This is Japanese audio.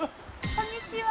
こんにちは。